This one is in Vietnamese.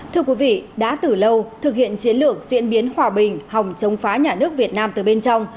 thưa quý vị đã từ lâu thực hiện chiến lược diễn biến hòa bình hòng chống phá nhà nước việt nam từ bên trong